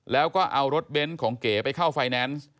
แล้วก็เอารถเบนท์ของเก๋ไปเข้าไฟแนนซ์